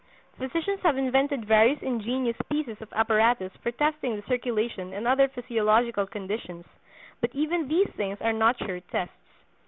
Physicians have invented various ingenious pieces of apparatus for testing the circulation and other physiological conditions; but even these things are not sure tests.